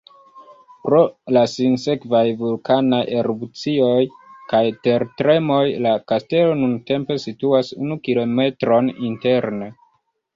Pro la sinsekvaj vulkanaj erupcioj kaj tertremoj, la kastelo nuntempe situas unu kilometron interne.